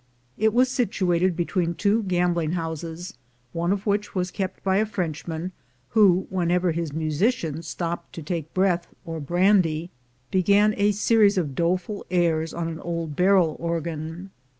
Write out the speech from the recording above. It was situated between two gambling houses, one of which was kept by a French man, who, whenever his musicians stopped to take breath or brand}^, began a series of doleful airs on an old barrel organ.